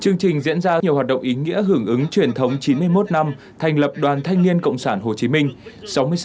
chương trình diễn ra nhiều hoạt động ý nghĩa hưởng ứng truyền thống chín mươi một năm thành lập đoàn thanh niên cộng sản hồ chí minh